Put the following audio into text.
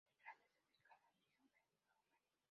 El cráter se ubica en la región Beethoven.